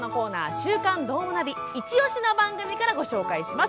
「週刊どーもナビ」イチおしの番組からご紹介します。